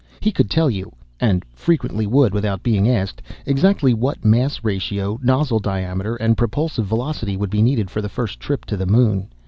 He could tell you and frequently would without being asked exactly what mass ratio, nozzle diameter and propulsive velocity would be needed for the first trip to the Moon.